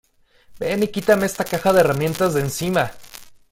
¡ Ven y quítame esta caja de herramientas de encima!